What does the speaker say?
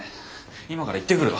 今から行ってくるわ。